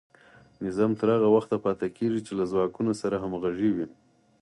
نظام تر هغه وخته پاتې کیږي چې له ځواکونو سره همغږی وي.